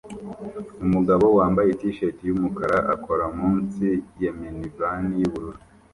Umugabo wambaye t-shirt yumukara akora munsi ya minivani yubururu